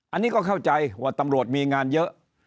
อันนี้ก็เข้าใจว่าตำรวจมีงานเยอะ